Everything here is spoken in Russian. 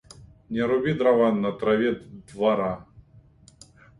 Не руби дрова на траве двора.